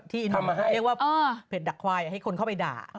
ที่ตเดฮางหาเรียกว่าอ้อเฟศดักไขวให้คนเข้าไปด่า